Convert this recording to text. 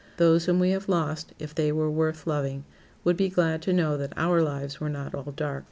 Those whom we have lost, if they were worth loving, would be glad to know that our lives were not all dark.